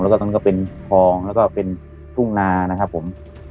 แล้วก็ตรงนั้นก็เป็นคลองแล้วก็เป็นทุ่งนานะครับผม